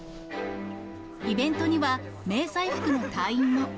イベントには迷彩服の隊員も。